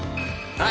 はい。